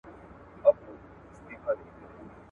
په ټولګیو کي د ګرمۍ په موسم کي پکي نه وو.